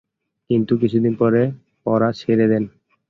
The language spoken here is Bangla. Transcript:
কিন্তু কিছুদিন পর পড়া ছেড়ে দেন।